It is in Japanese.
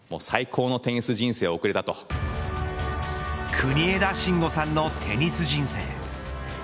国枝慎吾さんのテニス人生。